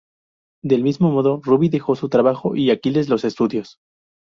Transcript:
Del mismo modo, Ruy dejó su trabajo y Aquiles los estudios.